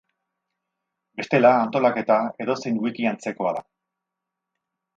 Bestela, antolaketa, edozein wiki antzekoa da.